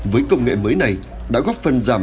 với công nghệ mới này đã góp phần giảm